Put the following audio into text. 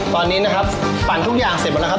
ตอนนี้นะครับปั่นทุกอย่างเสร็จหมดแล้วครับ